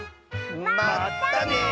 まったね！